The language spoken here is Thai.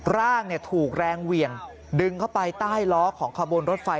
ร่างถูกแรงเหวี่ยงดึงเข้าไปใต้ล้อของขบวนรถไฟ